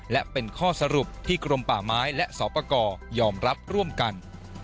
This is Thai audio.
และเป็นข้อสรุปที่กรมป่าไม้และสอบประกอบยอมรับร่วมกัน